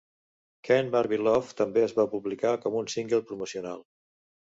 "Kenbarbielove" també es va publicar com un single promocional.